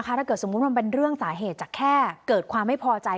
ถ้าเกิดสมมุติมันเป็นเรื่องสาเหตุจากแค่เกิดความไม่พอใจ